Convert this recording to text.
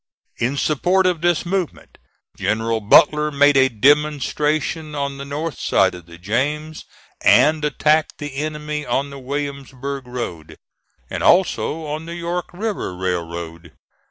In support of this movement, General Butler made a demonstration on the north side of the James, and attacked the enemy on the Williamsburg Road, and also on the York River Railroad.